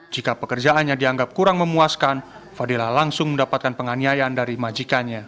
jika pekerjaannya dianggap kurang memuaskan fadila langsung mendapatkan penganiayaan dari majikannya